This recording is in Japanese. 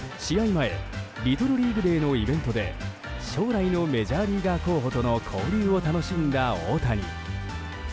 前リトルリーグ・デーのイベントで将来のメジャーリーガー候補との交流を楽しんだ大谷。